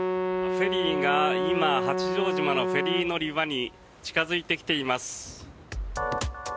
フェリーが今八丈島のフェリー乗り場に近付いてきています。